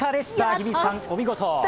日比さん、お見事！